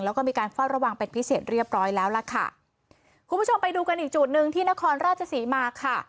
แล้วก็มีการเฝ้าระวังเป็นพิเศษเรียบร้อยแล้วล่ะค่ะคุณผู้ชมไปดูกันอีกจุดหนึ่งที่นครราชศรีมาค่ะ